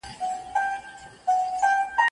درین محیط خرافات و صحنه آفات